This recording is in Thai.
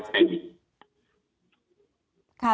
ใช่ครับ